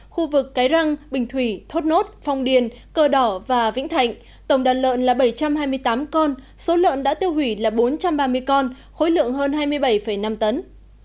khu vực cái răng bình thủy thốt nốt phong điền cờ đỏ và vĩnh thạnh tổng đàn lợn là bảy trăm hai mươi tám con số lợn đã tiêu hủy là bốn trăm ba mươi con khối lượng hơn hai mươi bảy năm tấn